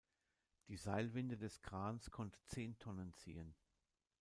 Die Seilwinde des Krans konnte zehn Tonnen ziehen.